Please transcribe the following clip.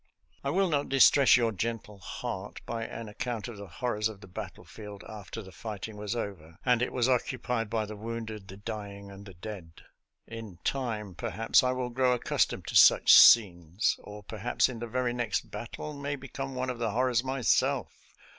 I will not distress your gentle heart by an ac count of the horrors of the battlefield after the fighting was over and it was occupied by the wounded, the dying, and the dead. In time, per haps, I will grow accustomed to such scenes, or perhaps in the very next battle may become one of the horrors myself.